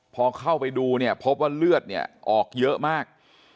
พอเข้าไปดูเนี่ยพบว่าเลือดเนี่ยออกเยอะมาก